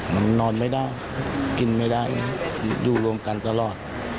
มันนอนไม่ได้กินไม่ได้อยู่รวมกันตลอด